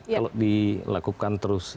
kalau dilakukan terus